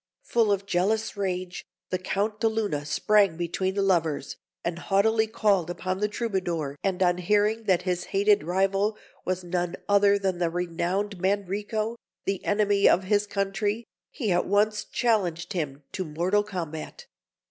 Full of jealous rage, the Count de Luna sprang between the lovers, and haughtily called upon the Troubadour to declare his name; and on hearing that his hated rival was none other than the renowned Manrico, the enemy of his country, he at once challenged him to mortal combat.